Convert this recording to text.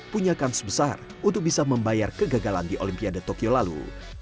punya kans besar untuk bisa membayar kegagalan di olimpiade tokyo lalu